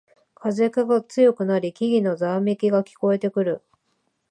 風が強くなり木々のざわめきが聞こえてくる